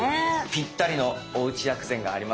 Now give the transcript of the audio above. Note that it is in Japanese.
ぴったりのおうち薬膳があります。